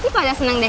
nah kayaknya three